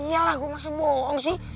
yalah gua masih bohong sih